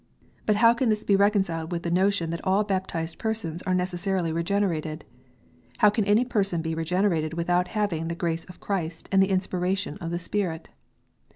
But how can this be reconciled with the notion that all baptized persons are neces sarily regenerated ? How can any person be regenerated without having the "grace of Christ and the inspiration of the Spirit"?